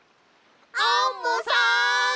アンモさん！